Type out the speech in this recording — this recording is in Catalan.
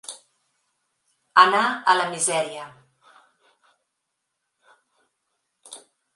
Anar a la misèria.